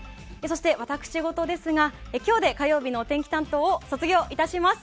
私ごとですが今日で火曜日のお天気担当を卒業いたします。